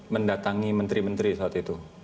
mendatangi menteri menteri saat itu